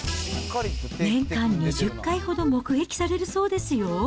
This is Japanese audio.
年間２０回ほど目撃されるそうですよ。